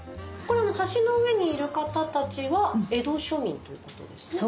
橋の上にいる方たちは江戸庶民ということですよね？